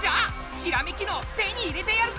ひらめき脳手に入れてやるぜ！